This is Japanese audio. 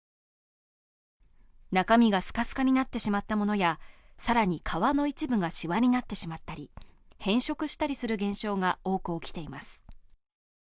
中身がスカスカになってしまったものや、更に皮の一部がしわになってしまったり変色したりする現象が多く起きています。